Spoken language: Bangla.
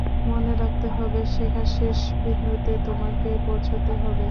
মনে রাখতে হবে, শেখার শেষ বিন্দুতে তোমাকে পৌঁছাতে হবে।